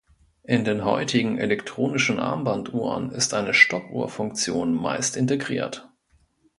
In den heutigen elektronischen Armbanduhren ist eine Stoppuhr-Funktion meist integriert.